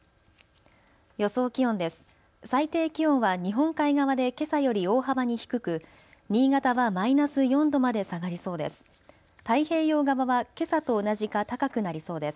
予想気温です。